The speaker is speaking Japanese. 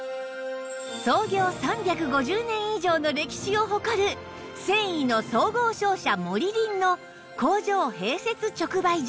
創業３５０年以上の歴史を誇る繊維の総合商社モリリンの工場併設直売所